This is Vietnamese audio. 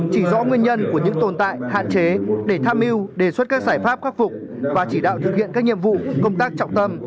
chỉ rõ nguyên nhân của những tồn tại hạn chế để tham mưu đề xuất các giải pháp khắc phục và chỉ đạo thực hiện các nhiệm vụ công tác trọng tâm